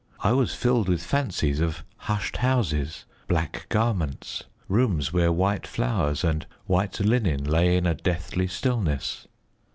I was filled with fancies of hushed houses, black garments, rooms where white flowers and white linen lay in a deathly stillness.